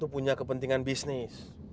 dia punya kepentingan bisnis